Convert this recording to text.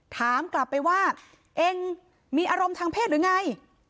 ถามกลับไปว่าเองมีอารมณ์ทางเพศหรือไง